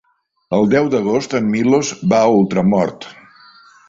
El deu d'agost en Milos va a Ultramort.